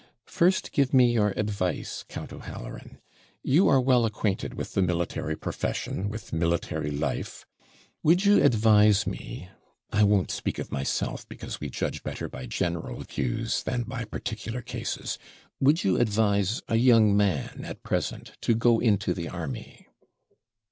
'First, give me your advice, Count O'Halloran; you are well acquainted with the military profession, with military life. Would you advise me I won't speak of myself, because we judge better by general views than by particular cases would you advise a young man at present to go into the army?'